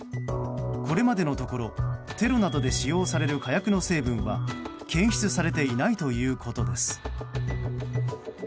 これまでのところテロなどで使用される火薬の成分は検出されていないということです。